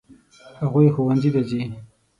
هغوی ښوونځي ته ځي.